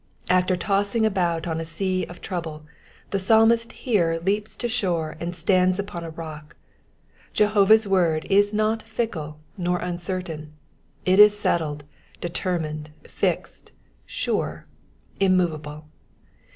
After tossing about on a sea of trouble the Psalmist here leaps to shore and stands upon a rock'. Jehovah^s word is not fickle nor uncertain ; it is settled, determined, fixed, sure, immovable.